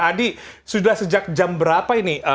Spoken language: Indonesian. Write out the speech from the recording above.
adi sudah sejak jam berapa ini